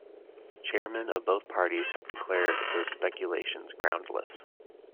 Chairmen of both parties have declared those speculations groundless.